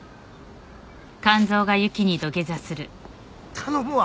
頼むわ。